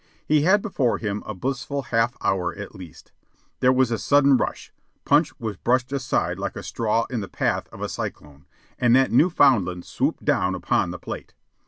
He had before him a blissful half hour at least. There was a sudden rush. Punch was brushed aside like a straw in the path of a cyclone, and that Newfoundland swooped down upon the plate.